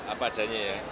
apa adanya ya